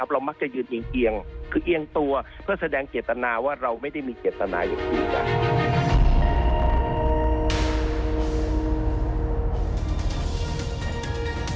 เรามักจะยืนเอียงคือเอียงตัวเพื่อแสดงเจตนาว่าเราไม่ได้มีเจตนาอย่างที่